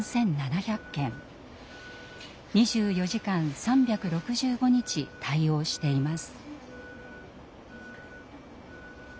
２４時間３６５日対応しています。